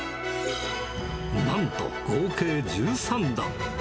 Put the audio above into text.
なんと合計１３段。